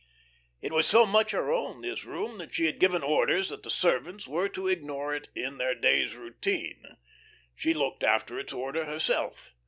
It was so much her own, this room, that she had given orders that the servants were to ignore it in their day's routine. She looked after its order herself.